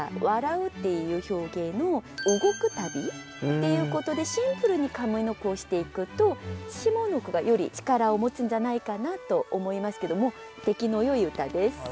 「笑う」っていう表現を「動く度」っていうことでシンプルに上の句をしていくと下の句がより力を持つんじゃないかなと思いますけども出来のよい歌です。